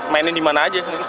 mainin di mana aja